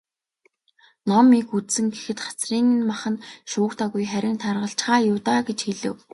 "Ном их үзсэн гэхэд хацрын нь мах шуугдаагүй, харин таргалчихаа юу даа" гэж хэлэв.